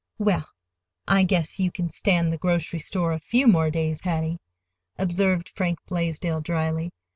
"Well, I guess you can stand the grocery store a few more days, Hattie," observed Frank Blaisdell dryly.